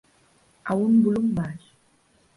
A un volum baix.